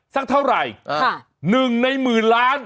สักเท่าไหร่๑ในหมื่นล้าน